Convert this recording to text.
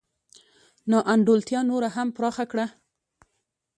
نا انډولتیا نوره هم پراخه کړه.